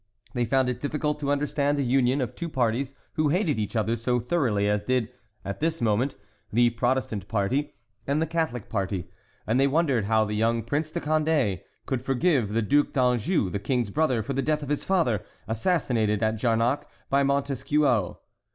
They found it difficult to understand the union of two parties who hated each other so thoroughly as did, at this moment, the Protestant party and the Catholic party; and they wondered how the young Prince de Condé could forgive the Duc d'Anjou, the King's brother, for the death of his father, assassinated at Jarnac by Montesquiou.